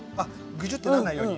ぐじゅってなんないように？